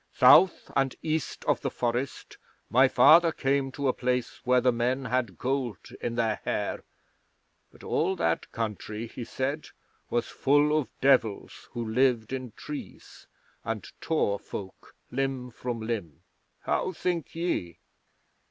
South and east of the Forest my father came to a place where the men hid gold in their hair; but all that country, he said, was full of Devils who lived in trees, and tore folk limb from limb. How think ye?"